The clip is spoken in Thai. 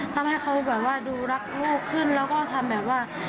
ทำให้เขาแบบว่าดูรักโลกขึ้นแล้วก็ทำแบบว่า